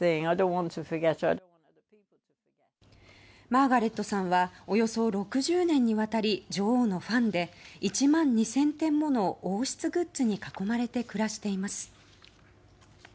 マーガレットさんはおよそ６０年にわたり女王のファンで１万２０００点もの王室グッズに囲まれて暮らしています。